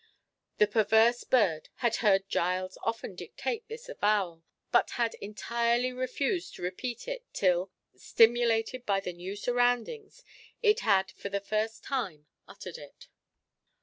The perverse bird had heard Giles often dictate this avowal, but had entirely refused to repeat it, till, stimulated by the new surroundings, it had for the first time uttered it.